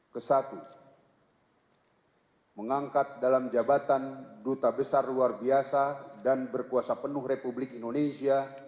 kesatu mengangkat dalam jabatan duta besar luar biasa dan berkuasa penuh republik indonesia